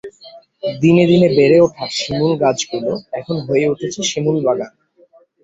দিনে দিনে বেড়ে ওঠা শিমুল গাছগুলো এখন হয়ে উঠেছে শিমুল বাগান।